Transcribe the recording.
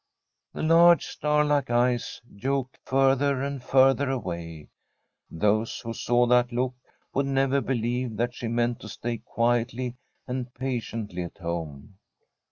The large star like eyes looked further and further away. Those who saw that look would never believe that she meant to stay quietly and patiently at home.